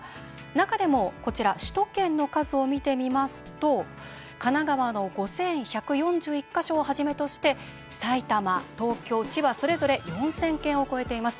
中でも首都圏の数を見てみますと神奈川の５１４１か所をはじめとして埼玉、東京、千葉でそれぞれ４０００件を超えています。